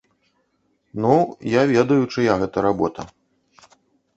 Ну, я ведаю, чыя гэта работа.